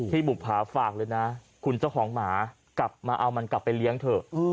บุภาฝากเลยนะคุณเจ้าของหมากลับมาเอามันกลับไปเลี้ยงเถอะ